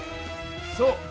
そう！